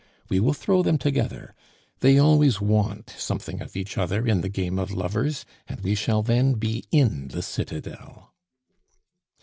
We will throw them together. They always want something of each other in the game of lovers, and we shall then be in the citadel."